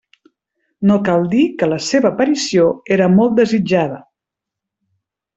No cal dir que la seva aparició era molt desitjada.